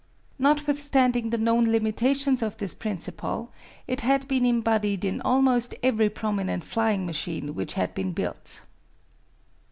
Notwithstanding the known limitations of this principle, it had been embodied in almost every prominent flying machine which had been built.